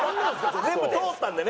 全部通ったんでね。